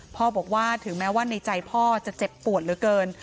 พ่อบอกว่าถึงแม้ว่าในใจพ่อจะเจ็บปวดเหลือเกิน